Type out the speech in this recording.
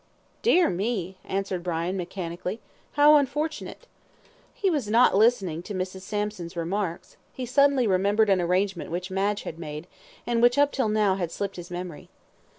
"Dear me!" answered Brian, mechanically. "How unfortunate!" He was not listening to Mrs. Sampson's remarks. He suddenly remembered an arrangement which Madge had made, and which up till now had slipped his memory.